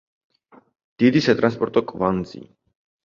დიდი სატრანსპორტო კვანძი.